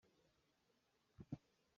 Facang cheek nak ah cawleng kan hman.